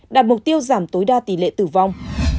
đạt mục tiêu giảm tối đa tỷ lệ tử vong